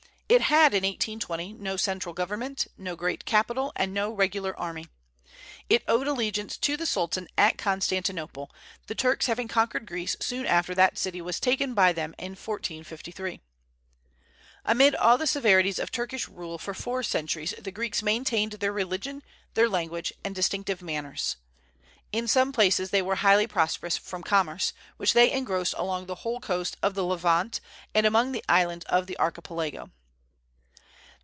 It had in 1820 no central government, no great capital, and no regular army. It owed allegiance to the Sultan at Constantinople, the Turks having conquered Greece soon after that city was taken by them in 1453. Amid all the severities of Turkish rule for four centuries the Greeks maintained their religion, their language, and distinctive manners. In some places they were highly prosperous from commerce, which they engrossed along the whole coast of the Levant and among the islands of the Archipelago.